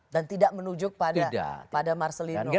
dan tidak menunjuk pada marcelino